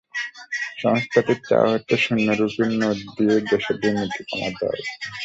সংস্থাটির চাওয়া হচ্ছে, শূন্য রুপির নোট দিয়েই দেশে দুর্নীতি কমাতে হবে।